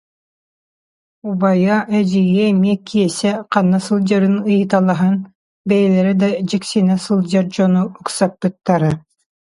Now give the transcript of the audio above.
Убайа, эдьиийэ эмиэ Киэсэ ханна сылдьарын ыйыталаһан, бэйэлэрэ да дьиксинэ сылдьар дьону ыксаппыттара